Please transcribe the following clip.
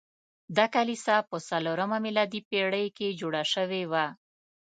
دا کلیسا په څلورمه میلادي پیړۍ کې جوړه شوې وه.